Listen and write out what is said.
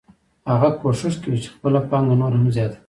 هغه کوښښ کوي چې خپله پانګه نوره هم زیاته کړي